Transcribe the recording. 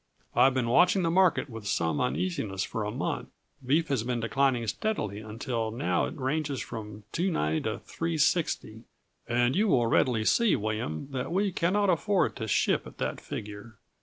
I have been watching the market with some uneasiness for a month. Beef has been declining steadily until now it ranges from two ninety to three sixty, and you will readily see, William, that we cannot afford to ship at that figure.